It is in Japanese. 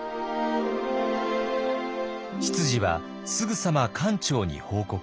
執事はすぐさま管長に報告。